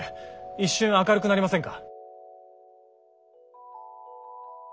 一瞬明るくなりませんか？